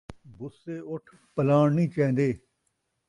بسے اُٹھ پلاݨ نئیں چیندے